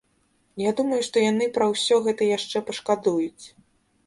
Я думаю, што яны пра ўсё гэта яшчэ пашкадуюць.